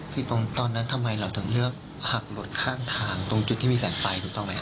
คือตอนนั้นทำไมเราถึงเลือกหักหล่นข้างทางตรงจุดที่มีแสงไฟถูกต้องไหมฮ